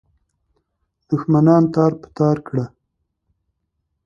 دښمنان تار په تار کړه.